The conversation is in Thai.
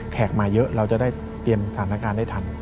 มาเยอะเราจะได้เตรียมสถานการณ์ได้ทัน